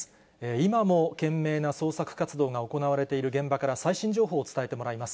今も懸命な捜索活動が行われている現場から、最新情報を伝えてもらいます。